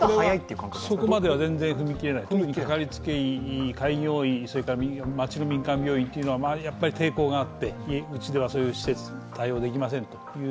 そこまでは全然踏み切れない、かかりつけ医、開業医町の民間病院というのはやっぱり抵抗があってうちではそういう対応はできませんと。